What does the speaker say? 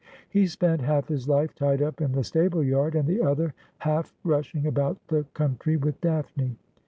He spent half his life tied up in the stable yard, and the other half rushing about the country with Daphne.